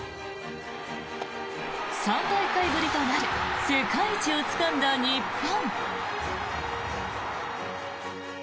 ３大会ぶりとなる世界一をつかんだ日本。